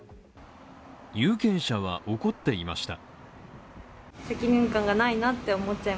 有権者は怒っていました。